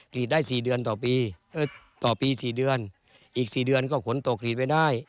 กรีดได้๔เดือนต่อปีอีก๔เดือนก็ขนตกกรีดไม่ได้